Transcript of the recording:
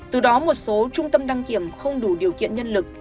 từ đó một số trung tâm đăng kiểm không đủ điều kiện nhân lực